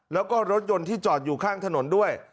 แล้วก็รถยนต์ที่จอดอยู่ข้างถนนด้วย